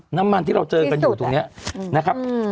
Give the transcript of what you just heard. น้ำมันที่เราเจอกันอยู่ตรงนี้นะครับ